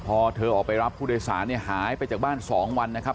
พอเธอออกไปรับผู้โดยสารเนี่ยหายไปจากบ้าน๒วันนะครับ